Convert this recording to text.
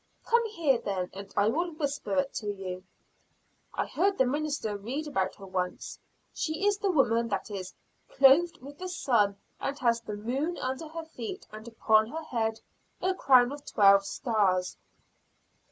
"Come here then and I will whisper it to you. I heard the minister read about her once, she is the woman that is 'clothed with the sun and has the moon under her feet, and upon her head a crown of twelve stars.'"